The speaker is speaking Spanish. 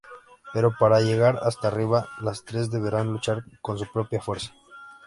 Pero para llegar hasta arriba, las tres deberán luchar con su propia fuerza.